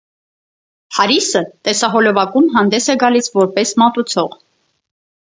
Հարիսը տեսահոլովակում հանդես է գալիս որպես մատուցող։